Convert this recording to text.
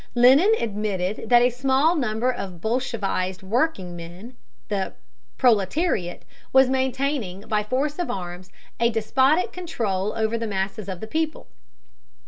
Lenin admitted that a small number of bolshevized workingmen, the proletariat, was maintaining, by force of arms, a despotic control over the masses of the people.